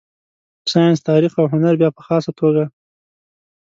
ساینس، تاریخ او هنر بیا په خاصه توګه.